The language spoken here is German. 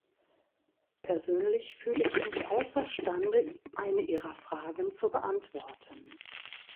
Persönlich fühle ich mich außerstande, eine Ihrer Fragen zu beantworten.